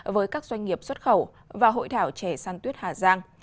với các doanh nghiệp xuất khẩu và hội thảo trẻ săn tuyết hà giang